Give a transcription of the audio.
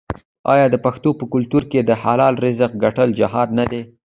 آیا د پښتنو په کلتور کې د حلال رزق ګټل جهاد نه دی؟